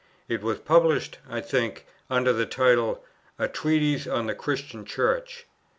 It was published, I think, under the title, "A Treatise on the Christian Church."